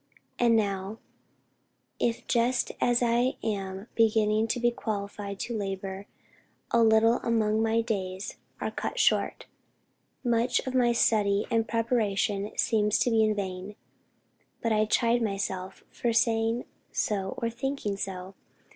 And now, if just as I am beginning to be qualified to labor a little among them my days are cut short, much of my study and preparation seems to be in vain. But I chide myself for saying so or thinking so.